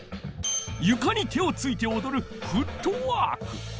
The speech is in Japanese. ゆかに手をついておどる「フットワーク」。